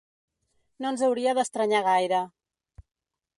No ens hauria d’estranyar gaire.